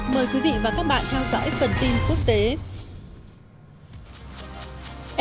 mời quý vị và các bạn theo dõi phần tin quốc tế